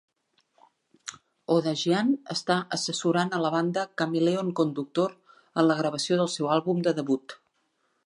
Odadjian està assessorant a la banda Chameleon Conductor en la gravació del seu àlbum de debut.